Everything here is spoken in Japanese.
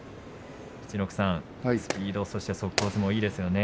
陸奥さん、スピードそして速攻相撲いいですね。